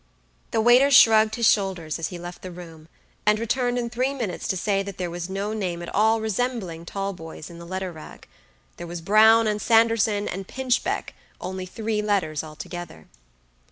The waiter shrugged his shoulders as he left the room, and returned in three minutes to say that there was no name at all resembling Talboys in the letter rack. There was Brown, and Sanderson, and Pinchbeck; only three letters altogether.